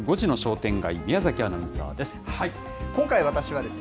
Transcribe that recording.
５時の商店街、宮崎アナウンサーです。